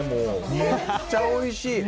めっちゃおいしい！